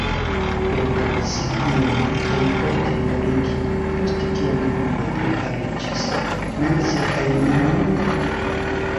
Organizi ion, kaj poste nuligi, post kiam homoj prepariĝis mense kaj mone?